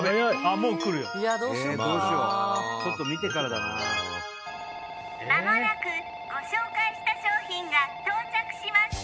もう来るよどうしようかなあちょっと見てからだなあ間もなくご紹介した商品が到着します